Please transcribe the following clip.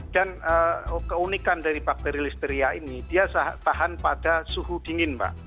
dan keunikan dari bakteri listeria ini dia tahan pada suhu dingin pak